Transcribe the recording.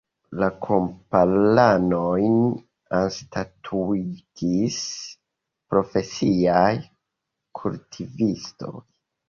La kamparanojn anstataŭigis profesiaj kultivistoj.